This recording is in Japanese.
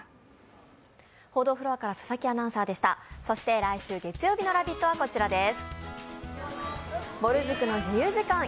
そして来週月曜日の「ラヴィット！」はこちらです。